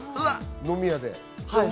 飲み屋で。